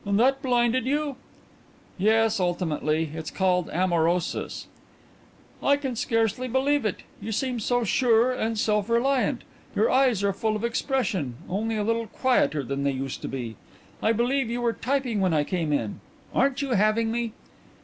"And that blinded you?" "Yes, ultimately. It's called amaurosis." "I can scarcely believe it. You seem so sure and self reliant. Your eyes are full of expression only a little quieter than they used to be. I believe you were typing when I came.... Aren't you having me?"